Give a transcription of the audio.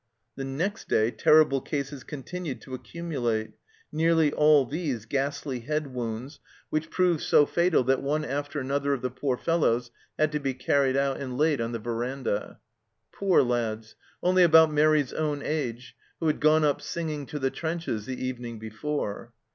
The next day terrible cases continued to accumulate, nearly all these ghastly head wounds, which proved 21 6 THE CELLAR HOUSE OF PERVYSE so fatal that one after another of the poor fellows had to be carried out and laid on the verandah. Poor lads, only about Mairi's own age, who had gone up singing to the trenches the evening before